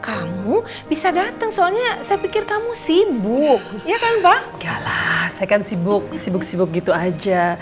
kamu bisa datang soalnya saya pikir kamu sibuk ya kan bang kalah saya kan sibuk sibuk gitu aja